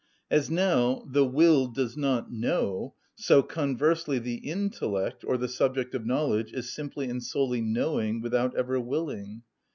As now the will does not know, so conversely the intellect, or the subject of knowledge, is simply and solely knowing, without ever willing.